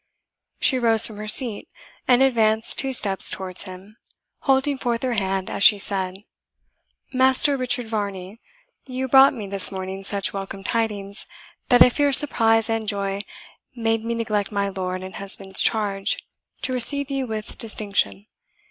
She rose from her seat, and advanced two steps towards him, holding forth her hand as she said, "Master Richard Varney, you brought me this morning such welcome tidings, that I fear surprise and joy made me neglect my lord and husband's charge to receive you with distinction.